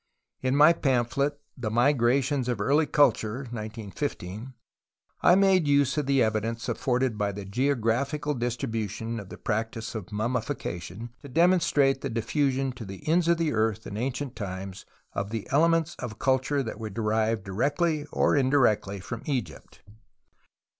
In my pamphlet Tfie JMigrations of Early Culture (1915) I made use of the evidence afforded by the geographical distribution of the practice of mummification to demonstrate the diffusion to the ends of the earth in ancient times of elements of culture that were derived directly or indirectly from Egypt.